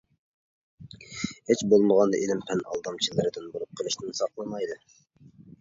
ھېچ بولمىغاندا ئىلىم-پەن ئالدامچىلىرىدىن بولۇپ قېلىشتىن ساقلىنايلى.